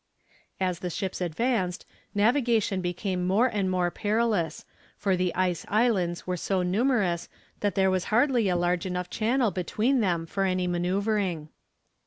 ] As the ships advanced navigation became more and more perilous, for the ice islands were so numerous that there was hardly a large enough channel between them for any manoeuvring.